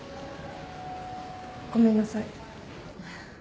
ごめんなさい。